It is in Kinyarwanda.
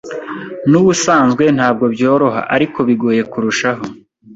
n’ubusanzwe ntabwo byoroha ariko bigoye kurushaho